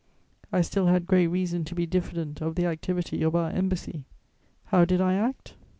"I still had great reason to be diffident of the activity of our embassy. How did I act?